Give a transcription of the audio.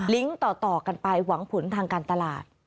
ต่อกันไปหวังผลทางการตลาด